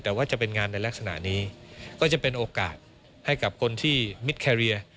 แต่ว่าจะเป็นงานในลักษณะนี้ก็จะเป็นโอกาสให้กับคนที่มิดแคเรีย